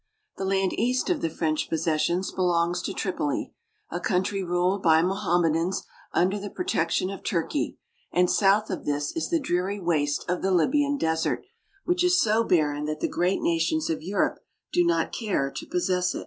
The land east of the French possessions belongs to Tripoli, a country ruled by Mohammedans under the pro tection of Turkey, and south of this is the dreary waste of the Libyan Desert, which is so barren that the great nations of Europe do not care to possess it.